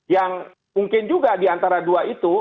yang mungkin juga diantara dua itu